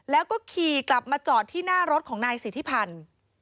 แล้วก็ขี่กลับมาจอดที่หน้ารถของนายสิทธิพันธ์